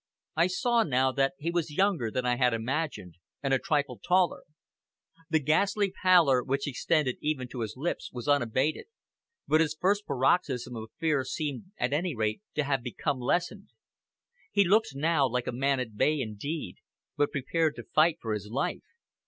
I saw now that he was younger than I had imagined, and a trifle taller. The ghastly pallor, which extended even to his lips, was unabated, but his first paroxysm of fear seemed, at any rate, to have become lessened. He looked now like a man at bay indeed, but prepared to fight for his life.